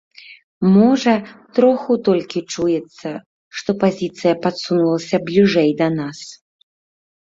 Можа, троху толькі чуецца, што пазіцыя падсунулася бліжэй да нас.